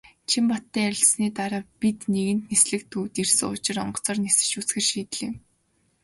Чинбаттай ярилцсаны дараа бид нэгэнт "Нислэг" төвд ирсэн учир онгоцоор нисэж үзэхээр шийдлээ.